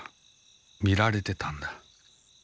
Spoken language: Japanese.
みられてたんだ。